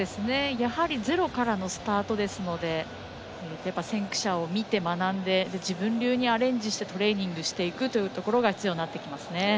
やはりゼロからのスタートですので先駆者を見て学んで自分流にアレンジしてトレーニングしていくということが必要になってきますね。